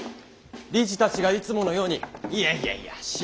理事たちがいつものように「いやいやいや知りませんよ。